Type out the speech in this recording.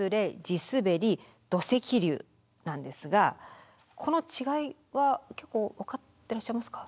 なんですがこの違いは結構分かってらっしゃいますか？